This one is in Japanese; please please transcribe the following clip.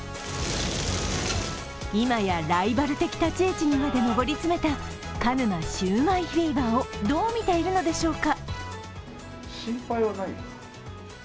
今や、ライバル的立ち位置にまで上り詰めた鹿沼シューマイフィーバーをどう見ているのでしょうか？